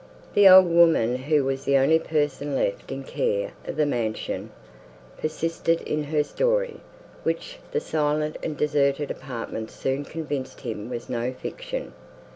The old woman, who was the only person left in care of the mansion, persisted in her story, which the silent and deserted apartments soon convinced him was no fiction.